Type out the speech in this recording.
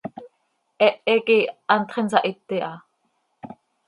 Hehe quih hantx ihsahiti aha.